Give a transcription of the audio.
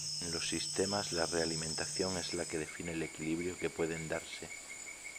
En los sistemas la realimentación es la que define el equilibrio que pueden darse.